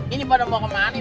ini pada mau kemana nih